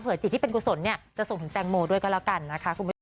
เผื่อจิตที่เป็นกุศลจะส่งถึงแตงโมด้วยก็แล้วกันนะคะ